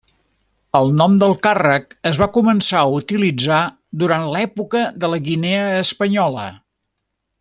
El nom del càrrec es va començar a utilitzar durant l'època de la Guinea Espanyola.